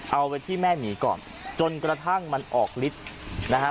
เอาไว้ที่แม่หมีก่อนจนกระทั่งมันออกฤทธิ์นะฮะ